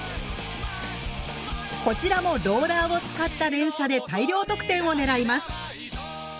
こちらもローラーを使った連射で大量得点を狙います。